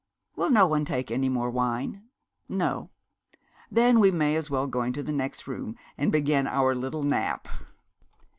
Will no one take any more wine? No. Then we may as well go into the next room and begin our little Nap.'